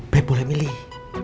babe boleh milih